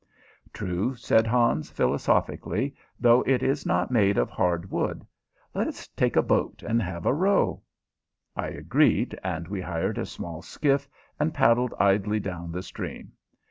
"True," said Hans, philosophically, "though it is not made of hard wood. Let us take a boat and have a row." I agreed, and we hired a small skiff and paddled idly down the stream.